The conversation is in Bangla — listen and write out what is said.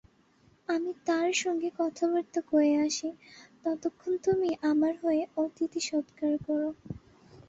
আমি তাঁর সঙ্গে কথাবার্তা কয়ে আসি, ততক্ষণ তুমি আমার হয়ে অতিথিসৎকার করো।